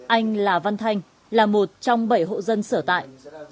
anh là văn thanh là một trong bảy hộ dân sở tại